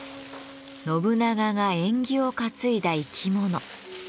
信長が縁起を担いだ生き物。